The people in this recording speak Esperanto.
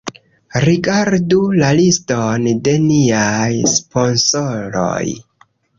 Rigardu la liston de niaj sponsoroj